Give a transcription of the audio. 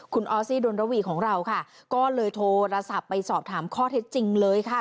คุณออสซี่ดนระวีของเราค่ะก็เลยโทรศัพท์ไปสอบถามข้อเท็จจริงเลยค่ะ